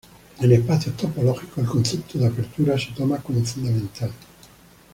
En espacios topológicos, el concepto de apertura se toma como fundamental.